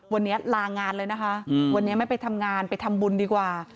วันนี้ลางานเลยนะคะวันนี้ไม่ไปทำงานไปทำบุญดีกว่า